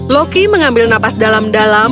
loki mengambil napas dalam dalam